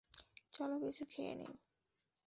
চলো কিছু খেয়ে নেই।